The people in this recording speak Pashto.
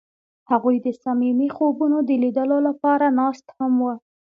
هغوی د صمیمي خوبونو د لیدلو لپاره ناست هم وو.